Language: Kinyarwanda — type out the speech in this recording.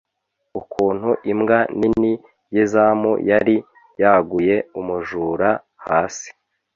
ukuntu imbwa nini yizamu yari yaguye umujura hasi.